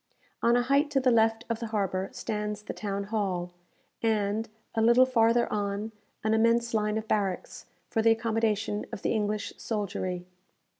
On a height to the left of the harbour stands the town hall, and, a little farther on, an immense line of barracks, for the accommodation of the English soldiery.